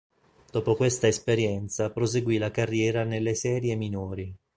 Dopo questa esperienza proseguì la carriera nelle serie minori.